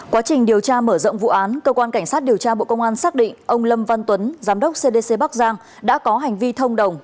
quá trình điều tra mở rộng vụ án cơ quan cảnh sát điều tra bộ công an xác định ông lâm văn tuấn giám đốc cdc bắc giang đã có hành vi thông đồng